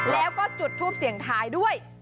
แล้วก็จุดทูปเสียงทายด้วย